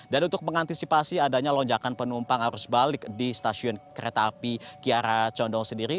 dan untuk mengantisipasi adanya lonjakan penumpang arus balik di stasiun kereta api kiara condong sendiri